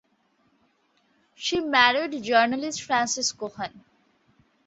She married journalist Francis Cohen.